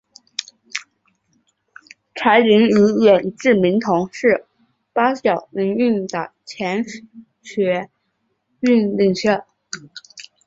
柴玲与远志明同是八九民运的前学运领袖。